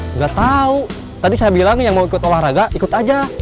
nggak tahu tadi saya bilang yang mau ikut olahraga ikut aja